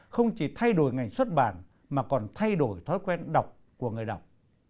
không chỉ thay đổi ngành xuất bản mà còn thay đổi thói quen đọc của người đọc